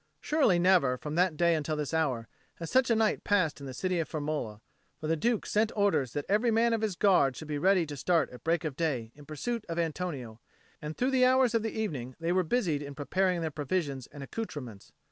Surely never, from that day until this hour, has such a night passed in the city of Firmola. For the Duke sent orders that every man of his Guard should be ready to start at break of day in pursuit of Antonio, and through the hours of the evening they were busied in preparing their provisions and accoutrements.